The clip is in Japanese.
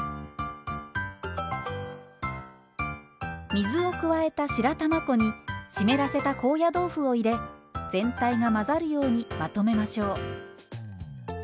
水を加えた白玉粉に湿らせた高野豆腐を入れ全体が混ざるようにまとめましょう。